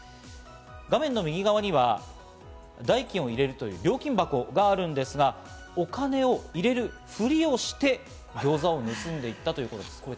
画面の右側には、代金を入れる料金箱があるんですが、お金を入れるふりをしてギョーザを盗んでいったということです。